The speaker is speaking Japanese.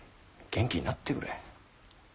元気になってくれ。